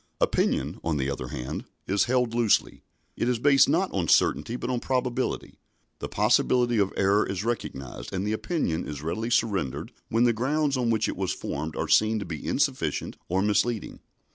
Opinion, on the other hand, is held loosely. It is based not on certainty but on probability. The possibility of error is recognised, and the opinion is readily surrendered when the grounds on which it was formed are seen to be insufficient or misleading.